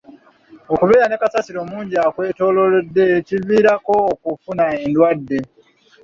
Okubeera ne kasasiro omungi akwetoolodde kikuviirako okufuna endwadde.